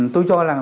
tôi cho là